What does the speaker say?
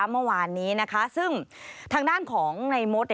เมื่อวานนี้นะคะซึ่งทางด้านของในมด